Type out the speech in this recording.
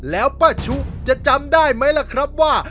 แล้วป้าชุจะจำได้ไหมล่ะครับว่า